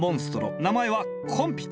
名前はコンピティ。